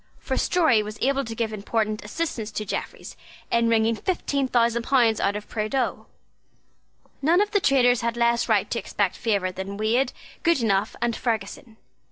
For Storey was able to give important assistance to Jeffreys in wringing fifteen thousand pounds out of Prideaux. None of the traitors had less right to expect favour than Wade, Goodenough, and Ferguson.